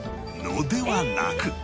のではなく